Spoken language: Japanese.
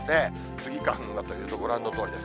スギ花粉はというと、ご覧のとおりです。